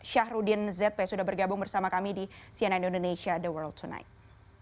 syahrudin zp sudah bergabung bersama kami di cnn indonesia the world tonight